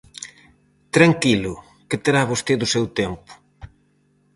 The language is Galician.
Tranquilo que terá vostede o seu tempo.